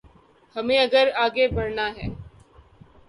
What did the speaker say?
ہمیں اگر آگے بڑھنا ہے۔